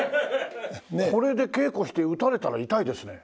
これで稽古して打たれたら痛いですね。